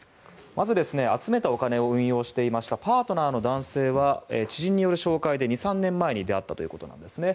まず、集めたお金を運用していましたパートナーの男性は知人による紹介で２３年前に出会ったということなんですね。